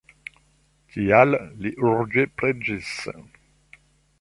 Tial li urĝe preĝis.